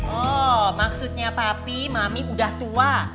oh maksudnya papi mami udah tua